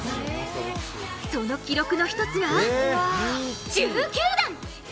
その記録の一つが、１９段。